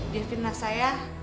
dia finlah saya